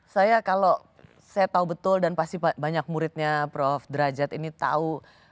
saya kalau saya tahu betul dan pasti banyak muridnya prof derajat ini tahu